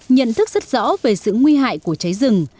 nhận thức rất rõ về sự nguy hại của cháy rừng